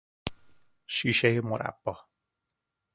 شیشهی مربا